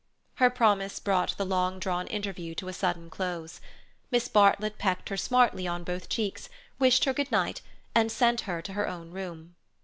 Her promise brought the long drawn interview to a sudden close. Miss Bartlett pecked her smartly on both cheeks, wished her good night, and sent her to her own room.